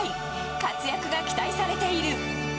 活躍が期待されている。